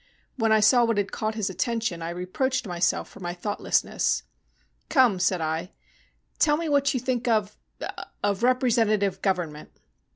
When I saw what had caught his attention I reproached myself for my thoughtlessness. "Come," said I, "tell me what you think of of representative government."